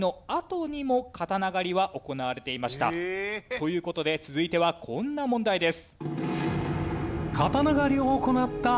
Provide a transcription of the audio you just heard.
という事で続いてはこんな問題です。